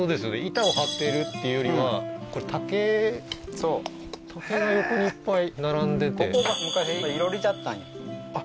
板を張ってるっていうよりはこれ竹そう竹が横にいっぱい並んでてここが昔囲炉裏じゃったんよあっ